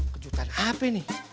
kejutan apa ini